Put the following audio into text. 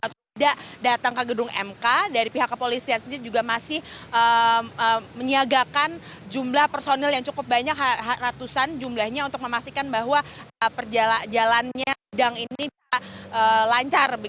tidak datang ke gedung mk dari pihak kepolisian sendiri juga masih menyiagakan jumlah personil yang cukup banyak ratusan jumlahnya untuk memastikan bahwa jalannya dang ini lancar